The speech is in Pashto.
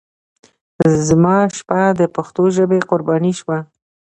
زما شپه د پښتو ژبې قرباني شوه.